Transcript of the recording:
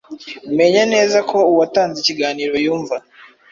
Menya neza ko uwatanze ikiganiro yumva